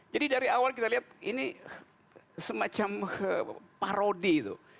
jadi dari awal kita lihat ini semacam parodi itu